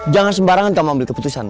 jangan sembarangan tanpa ambil keputusan